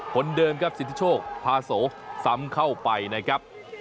คนเดิมครับสิทธิโชคพาโสซ้ำเข้าไปนะครับ